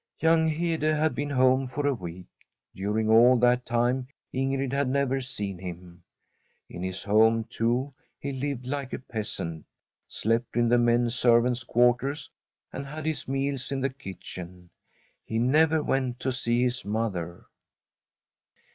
Young Hede had been at home for a week. Durine all that time Ingrid had never seen him. In his home, too, he lived like a peasant, slept in the men servants' quarters, and had his meals in the kitchen. He never went to see his mother.